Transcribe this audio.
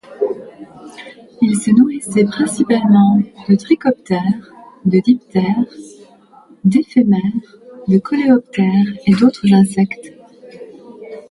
Ils se nourrissent principalement de trichoptères, de diptères, d'éphémères, de coléoptères et d'autres insectes.